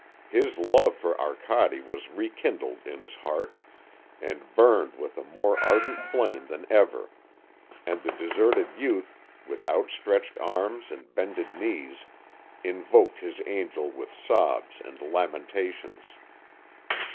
His love for Arcade was rekindled in his heart, and burned with a more ardent flame than ever, and the deserted youth, with outstretched arms and bended knees, invoked his angel with sobs and lamentations.